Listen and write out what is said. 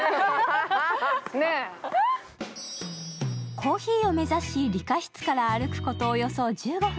コーヒーを目差し、リカシツから歩くことおよそ１５分。